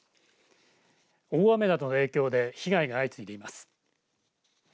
大雨などの影響で被害が相次いでいます。